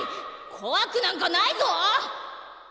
こわくなんかないぞ！